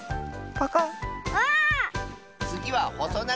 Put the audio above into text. パカッ。